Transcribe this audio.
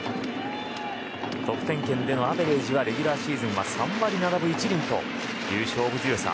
得点圏でのアベレージはレギュラーシーズンで３割７分１厘という勝負強さ。